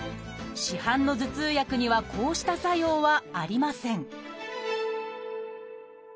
市販の頭痛薬にはこうした作用はありません